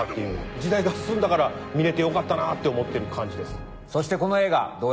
時代が進んだから見れてよかったなって思ってる感じです。